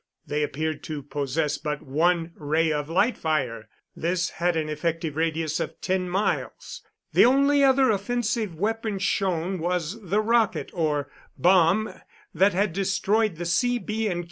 They appeared to possess but one ray of light fire; this had an effective radius of ten miles. The only other offensive weapon shown was the rocket, or bomb, that had destroyed the C., B. and Q.